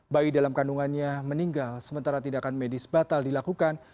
bayi dalam kandungannya meninggal sementara tindakan medis batal dilakukan